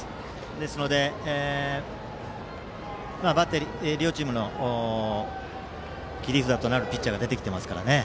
ですので、両チームの切り札となるピッチャーが出てきていますからね